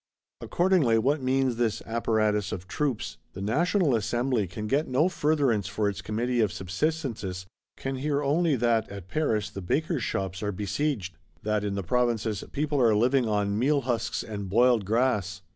Accordingly, what means this "apparatus of troops"? The National Assembly can get no furtherance for its Committee of Subsistences; can hear only that, at Paris, the Bakers' shops are besieged; that, in the Provinces, people are living on "meal husks and boiled grass."